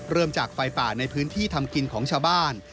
เริ่มจากไฟป่าในพื้นที่ทำกินของชาวบ้าน